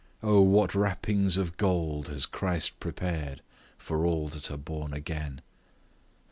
O what wrappings of gold has Christ prepared for all that are born again!